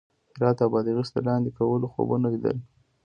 هرات او بادغیس د لاندې کولو خوبونه لیدل.